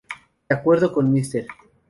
De acuerdo con Mr.